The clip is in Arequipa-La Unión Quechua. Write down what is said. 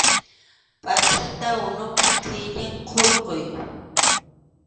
Pʼachata unupi qhillin hurquy.